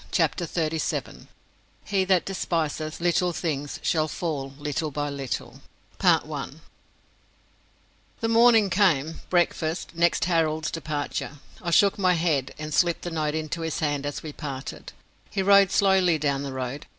CHAPTER THIRTY SEVEN He that despiseth little things, shall fall little by little I The morning came, breakfast, next Harold's departure. I shook my head and slipped the note into his hand as we parted. He rode slowly down the road.